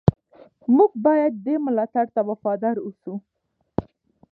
موږ باید دې ملاتړ ته وفادار اوسو.